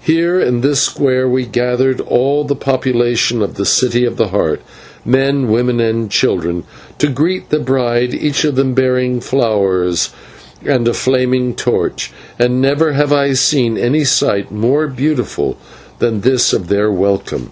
Here in this square were gathered all the population of the City of the Heart, men, women, and children, to greet the bride, each of them bearing flowers and a flaming torch; and never have I seen any sight more beautiful than this of their welcome.